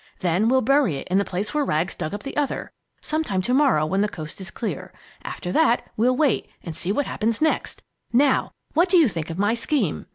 Then we'll bury it in the place where Rags dug up the other, some time to morrow when the coast is clear. After that we'll wait and see what happens next! Now what do you think of my scheme?"